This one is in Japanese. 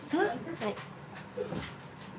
はい。